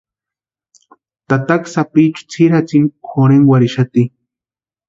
Tataka sapichu tsiri jatsini jorhenkwarhixati.